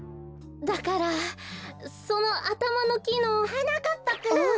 だからそのあたまのきの。はなかっぱくん！